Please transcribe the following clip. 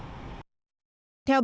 theo bộ tổng thống